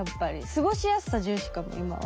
過ごしやすさ重視かも今は。